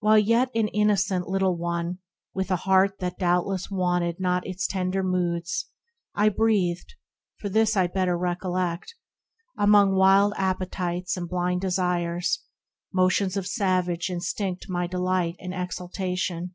While yet an innocent little one, with a heart That doubtless wanted not its tender moods, I breathed (for this I better recollect) Among wild appetites and blind desires, Motions of savage instinct my delight And exaltation.